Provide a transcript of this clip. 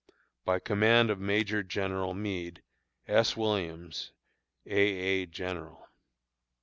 By command of MAJOR GENERAL MEADE. S. WILLIAMS, A. A. General.